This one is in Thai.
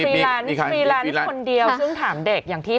ไปนั่งอยู่หน้าห้อง